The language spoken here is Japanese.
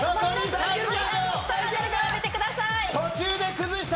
倒してください。